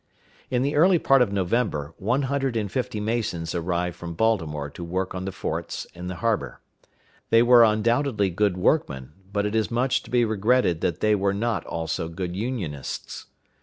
In the early part of November, one hundred and fifty masons arrived from Baltimore to work on the forts in the harbor. They were undoubtedly good workmen, but it is much to be regretted that they were not also good Unionists.